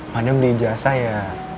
madam belajar saya